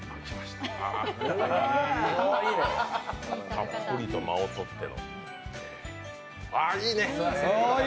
たっぷりと間をとっての。